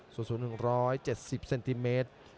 สู้สู้หนึ่งร้อยเจ็ดสิบเซนติเมตร